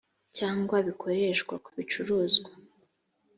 cyangwa bikoreshwa ku bicuruzwa